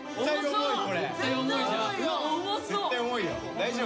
大丈夫？